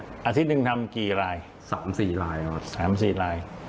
อาทิตย์หนึ่งทำกี่รายสามสี่รายครับสามสี่ราย